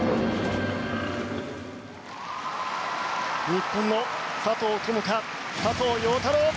日本の佐藤友花・佐藤陽太郎。